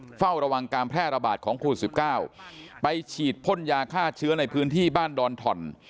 เฝ้าระวังการแพร่ระบาดของโควิด๑๙ไปฉีดพ่นยาฆ่าเชื้อในพื้นที่บ้านดอนถ่อน